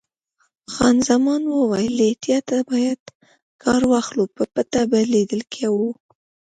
خان زمان وویل: له احتیاطه باید کار واخلو، په پټه به لیدل کوو.